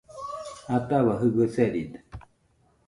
Atahua Jɨgɨ seride